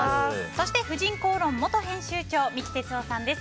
そして、「婦人公論」元編集長三木哲男さんです。